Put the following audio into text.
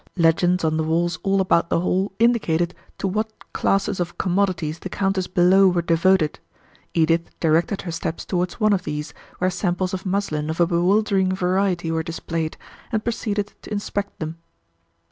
Legends on the walls all about the hall indicated to what classes of commodities the counters below were devoted. Edith directed her steps towards one of these, where samples of muslin of a bewildering variety were displayed, and proceeded to inspect them.